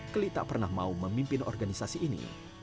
keli tak pernah mau memimpin organisasi ini